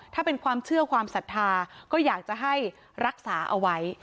ถ้าเป็นความเชื่อความศรัทธาก็อยากจะให้รักษาเอาไว้